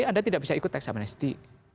anda tidak bisa ikut tax amnesty